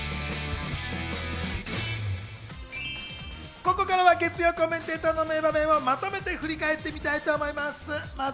ここからは月曜コメンテーターの名場面をまとめて振り返ってみたいと思います。